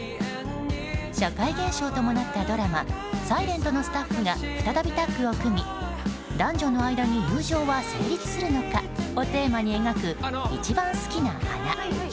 社会現象ともなったドラマ「ｓｉｌｅｎｔ」のスタッフが再びタッグを組み男女の間に友情は成立するのかをテーマに描く「いちばんすきな花」。